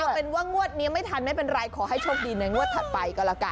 เอาเป็นว่างวดนี้ไม่ทันไม่เป็นไรขอให้โชคดีในงวดถัดไปก็แล้วกัน